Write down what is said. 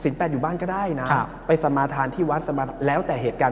แปดอยู่บ้านก็ได้นะไปสมาธานที่วัดแล้วแต่เหตุการณ์